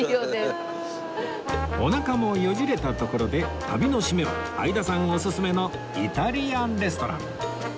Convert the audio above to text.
おなかもよじれたところで旅の締めは相田さんおすすめのイタリアンレストラン